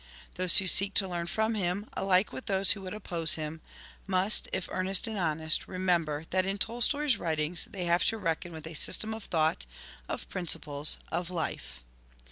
Those who seek to learn from him, alike with those who would oppose him, must, if earnest and honest, remember that in Tolstoi's writings they have to reckon with a system of thought, of principles, of life.